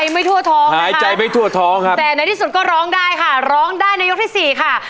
ไม่ทั่วท้อครับแต่ในที่ก็ร้องได้ค่ะร้องได้ในยกที่สี่ค่ะ